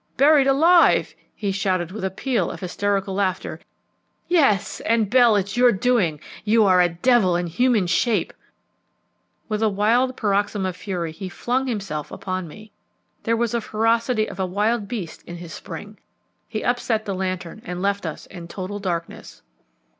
"Buried alive!" he shouted, with a peal of hysterical laughter. "Yes, and, Bell, it's your doing; you are a devil in human shape!" With a wild paroxysm of fury he flung himself upon me. There was the ferocity of a wild beast in his spring. He upset the lantern and left us in total darkness.